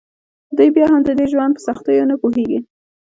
دوی بیا هم د دې ژوند په سختیو نه پوهیږي